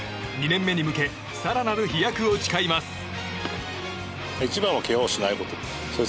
２年目に向け更なる飛躍を誓います。